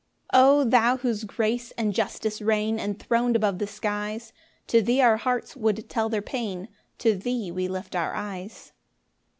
1 O thou whose grace and justice reign Enthron'd above the skies, To thee our hearts would tell their pain, To thee we lift our eyes.